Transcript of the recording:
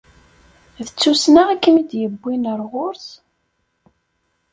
D tussna i kem-id-yewwin ar ɣur-s?